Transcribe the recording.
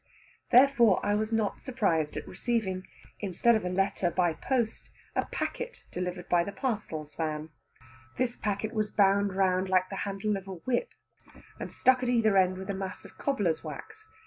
Therefore I was not surprised at receiving, instead of a letter by post, a packet delivered by the parcels van. This packet was bound round like the handle of a whip. and stuck at either end with a mass of cobbler's wax.